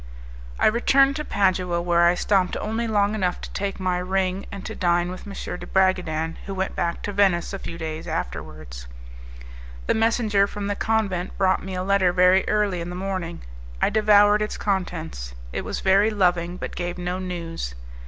I returned to Padua, where I stopped only long enough to take my ring and to dine with M. de Bragadin, who went back to Venice a few days afterwards. The messenger from the convent brought me a letter very early in the morning; I devoured its contents; it was very loving, but gave no news.